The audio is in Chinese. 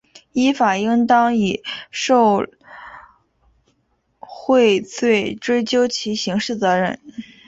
依法应当以受贿罪追究其刑事责任